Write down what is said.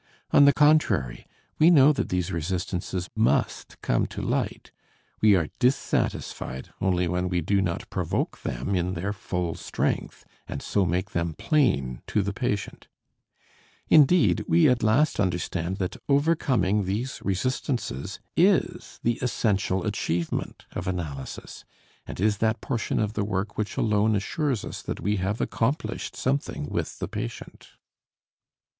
On the contrary, we know that these resistances must come to light; we are dissatisfied only when we do not provoke them in their full strength and so make them plain to the patient Indeed, we at last understand that overcoming these resistances is the essential achievement of analysis and is that portion of the work which alone assures us that we have accomplished something with the patient.